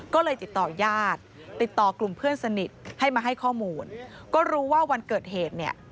ก็เลยติดต่อยาดติดต่อกลุ่มเพื่อนสนิทให้มาให้ข้อมูลก็รู้ว่าวันเกิดเหตุเนี่ย